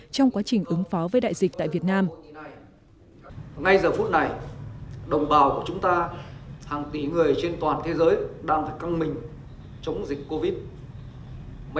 trong quá trình ứng phó với đại dịch tại việt nam